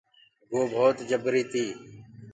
گو ڀوت جبري تي۔